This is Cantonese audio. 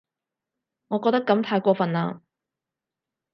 我覺得噉太過份喇